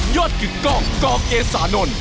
ยอดกึดกอกกอกเอสานนท์